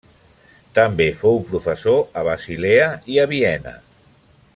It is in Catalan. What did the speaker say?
També fou professor a Basilea i a Viena.